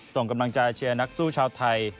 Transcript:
ส่งกำลังใจเชียร์นักสู้ชาวไทย